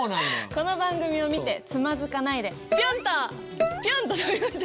この番組を見てつまずかないでぴょん！